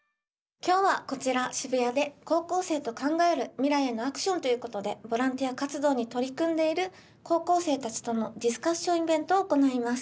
今日はこちら渋谷で高校生と考える未来へのアクションということでボランティア活動に取り組んでいる高校生たちとのディスカッションイベントを行います。